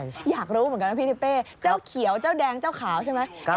อยากรู้เหมือนกันว่าพี่ทิเป้เจ้าเขียวเจ้าแดงเจ้าขาวใช่ไหม